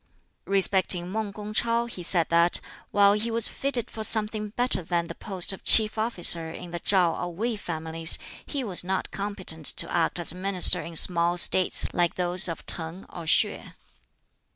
Respecting Mang Kung ch'oh, he said that, while he was fitted for something better than the post of chief officer in the ChŠu or Wei families, he was not competent to act as minister in small States like those of T'ang or Sieh.